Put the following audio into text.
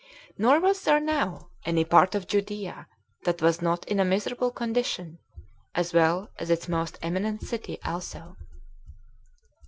Nor was there now any part of Judea that was not in a miserable condition, as well as its most eminent city also.